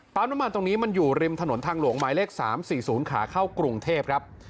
น้ำมันตรงนี้มันอยู่ริมถนนทางหลวงหมายเลข๓๔๐ขาเข้ากรุงเทพครับ